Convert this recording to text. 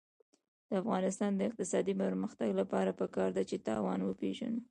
د افغانستان د اقتصادي پرمختګ لپاره پکار ده چې تاوان وپېژنو.